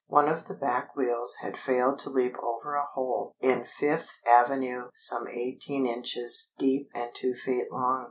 One of the back wheels had failed to leap over a hole in Fifth Avenue some eighteen inches deep and two feet long.